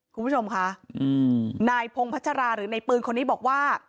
คุณผู้ชมค่ะนายพงพัชราหรือในปืนคนนี้บอกว่า